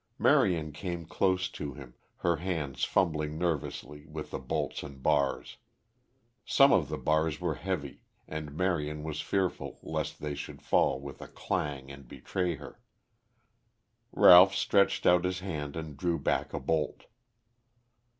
Marion came close to him, her hands fumbling nervously with the bolts and bars. Some of the bars were heavy, and Marion was fearful lest they should fall with a clang and betray her. Ralph stretched out his hand and drew back a bolt.